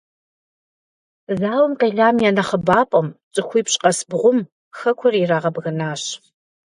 Зауэм къелам я нэхъыбапӀэм - цӀыхуипщӀ къэс бгъум - хэкур ирагъэбгынащ.